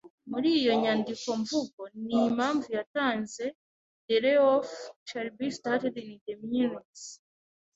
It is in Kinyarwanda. muri iyo nyandikomvugo n impamvu yatanze thereof shall be stated in the minutes